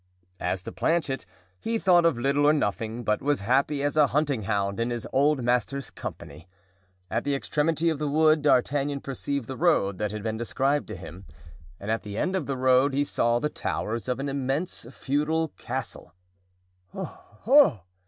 As to Planchet, he thought of little or nothing, but was happy as a hunting hound in his old master's company. At the extremity of the wood D'Artagnan perceived the road that had been described to him, and at the end of the road he saw the towers of an immense feudal castle. "Oh! oh!"